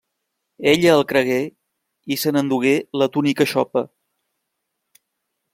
Ella el cregué i se n'endugué la túnica xopa.